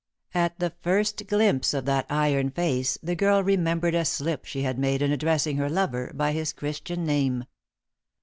At the first glimpse of that iron face the girl remembered a slip she had made in addressing her lover by his Christian name.